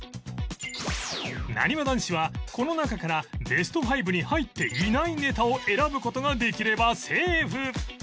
なにわ男子はこの中からベスト５に入っていないネタを選ぶ事ができればセーフ！